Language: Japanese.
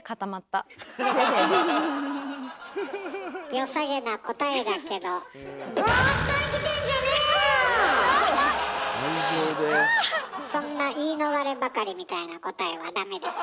よさげな答えだけどそんな言い逃ればかりみたいな答えはダメです。